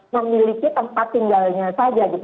memiliki tempat tinggalnya saja gitu